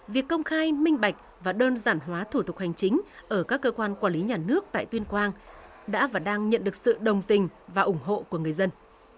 việc công khai minh bạch và đơn giản hóa thủ tục hành chính ở các cơ quan quản lý nhà nước tại tuyên quang đã và đang nhận được sự đồng tình và ủng hộ của người dân